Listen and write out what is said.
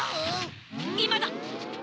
いまだ！